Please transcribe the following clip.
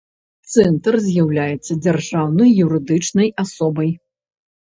Цэнтр з'яўляецца дзяржаўнай юрыдычнай асобай.